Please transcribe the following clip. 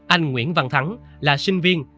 anh nguyễn văn thắng là sinh viên